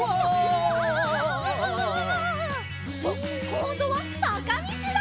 こんどはさかみちだ！